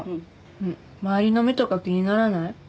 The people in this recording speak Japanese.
うん周りの目とか気にならない？